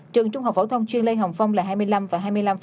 trường trung học phổ thông chuyên lê hồng phong là hai mươi năm và hai mươi năm